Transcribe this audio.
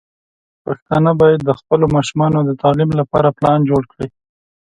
پښتانه بايد د خپلو ماشومانو د تعليم لپاره پلان جوړ کړي.